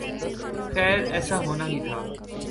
خیر ایسا ہونا ہی تھا۔